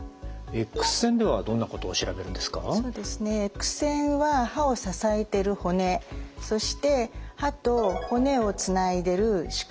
エックス線は歯を支えてる骨そして歯と骨をつないでる歯根